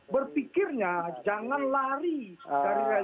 berpikirnya jangan lari dari lain